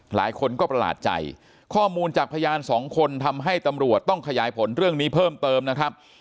หลายคนก็ประหลาดใจข้อมูลจากพยานสองคนทำให้ตำรวจต้องขยายผลเรื่องนี้เพิ่มเติมนะครับ